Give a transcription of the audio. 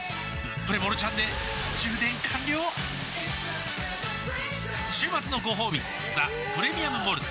プレモルちゃんで充電完了週末のごほうび「ザ・プレミアム・モルツ」